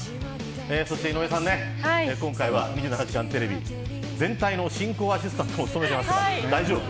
そして、井上さんね今回は２７時間テレビ全体の進行アシスタントも務めていますが大丈夫。